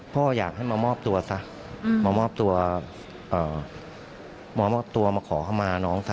พ่ออยากให้มามอบตัวซะมามอบตัวมามอบตัวมาขอเข้ามาน้องซะ